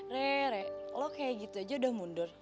re lo kayak gitu aja udah mundur